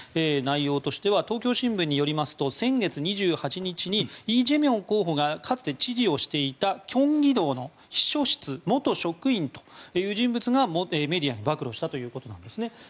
内容としては東京新聞によると先月２８日にイ・ジェミョン候補がかつて知事をしていた京畿道の秘書室元職員という人物がメディアに暴露したということなんですね。